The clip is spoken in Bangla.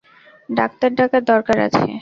ডাক্তার ডাকার দরকার আছে?